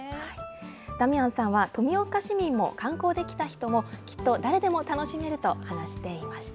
ダミアンさんは、富岡市民も観光で来た人も、きっと誰でも楽しめると話していました。